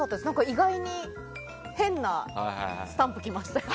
意外に変なスタンプ来ましたよ。